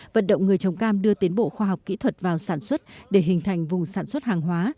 vận động người trồng cam đưa tiến bộ khoa học kỹ thuật vào sản xuất để hình thành vùng sản xuất hàng hóa